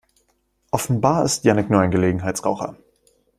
Offenbar ist Jannick nur ein Gelegenheitsraucher.